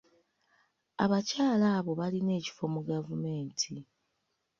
Abakyala abo balina ekifo mu gavumenti.